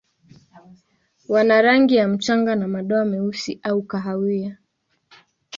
Wana rangi ya mchanga na madoa meusi au kahawia.